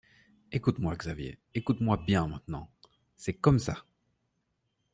Écoute-moi, Xavier, écoute-moi bien maintenant. C’est comme ça.